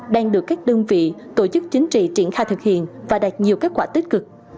đang được các đơn vị tổ chức chính trị triển khai thực hiện và đạt nhiều kết quả tích cực